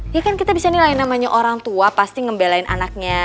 ini kan kita bisa nilai namanya orang tua pasti ngembelain anaknya